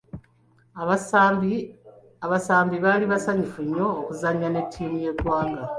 Abasambi baali basanyufu nnyo okuzannya ne ttiimu y'eggwanga.